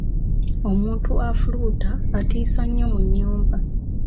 Omuntu afuluuta atiisa nnyo mu nnyumba.